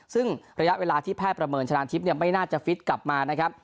ซึ่งระยะเวลาที่แพทย์ประเมินชนะทิพย์ไม่น่าจะฟิตกลับมานะครับ